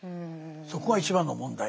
そこが一番の問題ですね。